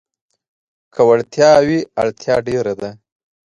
که وړتيا وي، اړتيا ډېره ده.